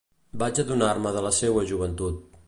Vaig adonar-me de la seua joventut.